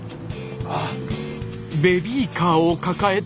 あっ。